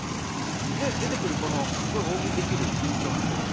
で出てくるすごい大食いできる人なんですけど。